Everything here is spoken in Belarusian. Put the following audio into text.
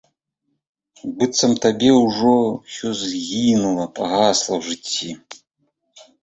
Быццам табе ўжо ўсё згінула, пагасла ў жыцці.